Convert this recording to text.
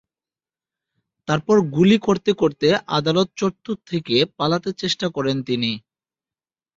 তারপর গুলি করতে করতে আদালত চত্বর থেকে পালাতে চেষ্টা করেন তিনি।